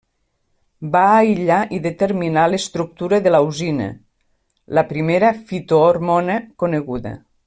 Va aïllar i determinar l'estructura de l'auxina, la primera fitohormona coneguda.